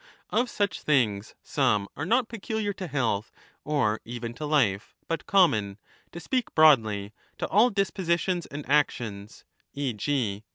Of such things some are not peculiar to health or even to life, but common — to speak broadly — to all dispositions and actions, e.g.